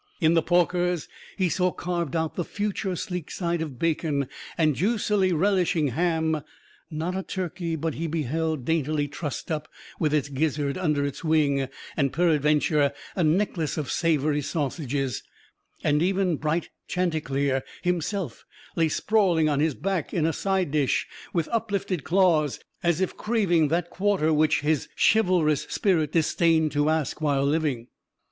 In the porkers he saw carved out the future sleek side of bacon and juicy relishing ham; not a turkey, but he beheld daintily trussed up, with its gizzard under its wing, and, peradventure, a necklace of savory sausages; and even bright chanticleer himself lay sprawling on his back, in a side dish, with uplifted claws, as if craving that quarter which his chivalrous spirit disdained to ask while living.